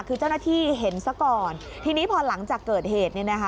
คือเจ้าหน้าที่เห็นซะก่อนทีนี้พอหลังจากเกิดเหตุเนี่ยนะคะ